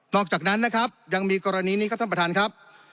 อกจากนั้นนะครับยังมีกรณีนี้ครับท่านประธานครับ